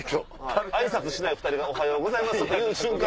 あいさつしない２人がおはようございますと言う瞬間。